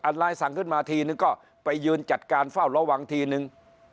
ไลน์สั่งขึ้นมาทีนึงก็ไปยืนจัดการเฝ้าระวังทีนึง